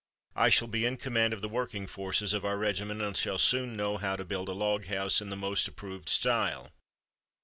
I shall be in command of the working forces of our regiment and shall soon know how to build a log house in the most approved style.